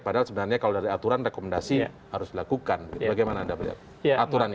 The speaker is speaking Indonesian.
padahal sebenarnya kalau dari aturan rekomendasi harus dilakukan bagaimana anda melihat